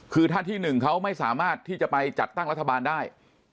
คือถ้าที่๑เขาไม่สามารถที่จะไปจัดตั้งรัฐบาลได้